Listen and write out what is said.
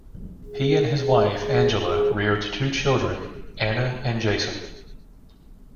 He and his wife, Angele, reared two children, Anna and Jason.